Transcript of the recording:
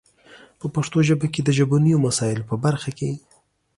په پښتو ژبه کې د ژبنیو مسایلو په برخه کې